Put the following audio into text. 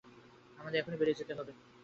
আমাদের এখনই বেরিয়ে যেতে হবে।